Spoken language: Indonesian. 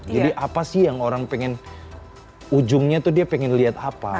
jadi apa sih yang orang pengen ujungnya tuh dia pengen lihat apa